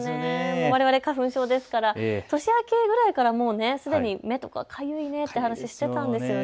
われわれ花粉症ですから年明けぐらいからすでに目とかかゆいねって話してたんですよね。